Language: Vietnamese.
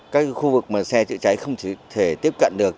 các khu vực mà xe chữa cháy không thể tiếp cận được